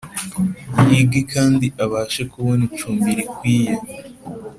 yige kandi abashe kubona icumbi rikwiye.